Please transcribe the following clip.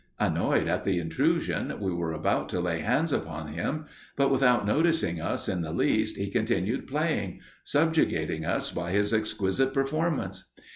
Annoyed at the intrusion, we were about to lay hands upon him, but without noticing us in the least, he continued playing, subjugating us by his exquisite performance.